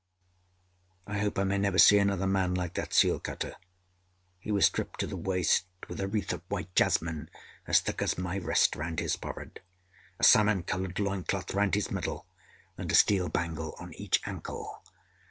I hope I may never see another man like that seal cutter. He was stripped to the waist, with a wreath of white jasmine as thick as my wrist round his forehead, a salmon colored loin cloth round his middle, and a steel bangle on each ankle.